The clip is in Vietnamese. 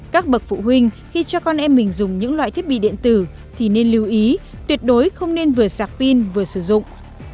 các bậc phụ huynh khi cho con em mình dùng những loại thiết bị điện tử thì nên lưu ý tuyệt đối không nên vừa sạc pin vừa sử dụng